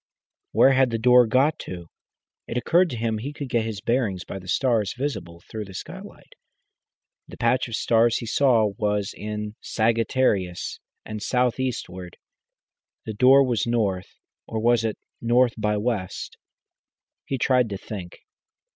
Where had the door got to? It occurred to him he could get his bearings by the stars visible through the skylight. The patch of stars he saw was in Sagittarius and south eastward; the door was north or was it north by west? He tried to think.